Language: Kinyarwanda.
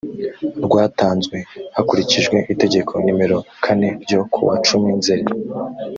rwatanzwe hakurikijwe itegeko nimero kane ryo kuwa cumi nzeri